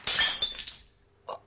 あっ。